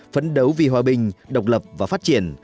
phấn đấu vì hòa bình độc lập và phát triển